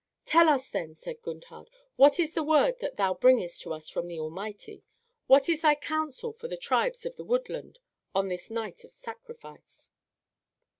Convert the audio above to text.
"Tell us, then," said Gundhar, "what is the word that thou bringest to us from the Almighty? What is thy counsel for the tribes of the woodland on this night of sacrifice?"